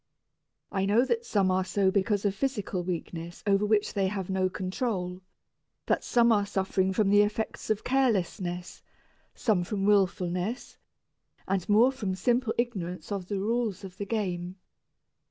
I know that some are so because of physical weakness over which they have no control, that some are suffering from the effects of carelessness, some from wilfulness, and more from simple ignorance of the rules of the game.